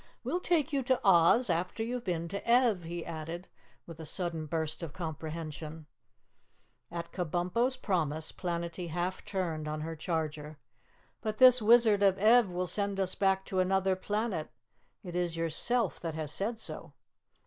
"We'll take you to Oz after you've been to Ev," he added with a sudden burst of comprehension. At Kabumpo's promise, Planetty half turned on her charger. "But this Wizard of Ev will send us back to Anuther Planet. It is yourself that has said so."